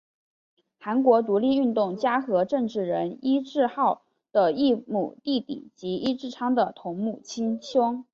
韩国独立运动家和政治人尹致昊的异母弟弟及尹致昌的同母亲兄。